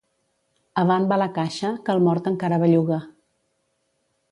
Avant va la caixa, que el mort encara belluga.